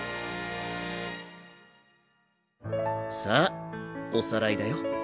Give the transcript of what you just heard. さあおさらいだよ。